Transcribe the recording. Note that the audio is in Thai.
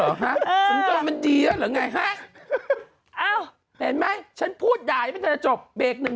สนตรามันดีแล้วหรอไงฮะอ้าวเป็นไหมฉันพูดใหญ่ไม่ได้ที่จะจบ